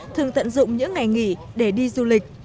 thường tận dụng những ngày nghỉ để đi du lịch